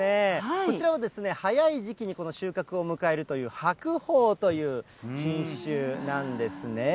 こちらは早い時期にこの収穫を迎えるという白鳳という品種なんですね。